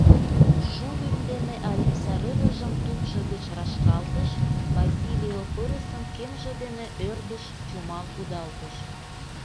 Шугынь дене Алиса рывыжым тупшо гыч рашкалтыш, Базилио пырысым кемже дене ӧрдыш чумал кудалтыш...